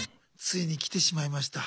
ついに来てしまいました